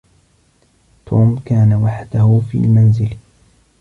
توم كان وحده في المنزل.